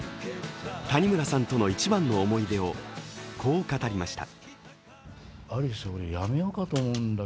谷村さんとの一番の思い出をこう語りました。